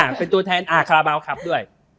อ่าเป็นตัวแทนอ่าคาราเบาครับด้วย